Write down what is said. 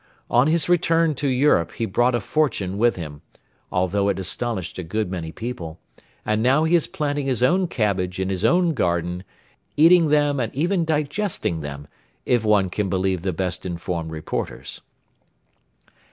On his return to Europe he brought a fortune with him, although it astonished a good many people, and now he is planting his own cabbage in his own garden, eating them and even digesting them, if one can believe the best informed reporters.